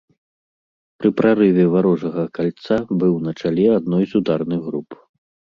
Пры прарыве варожага кольца быў на чале адной з ударных груп.